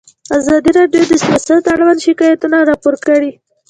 ازادي راډیو د سیاست اړوند شکایتونه راپور کړي.